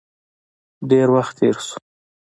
ډیر وخت تیر شو.